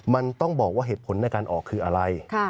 มันต้องบอกว่าเหตุผลในการออกคืออะไร